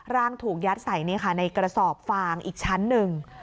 ร่างถูกยัดใส่ในกระสอบฟางอีกชั้นหนึ่ง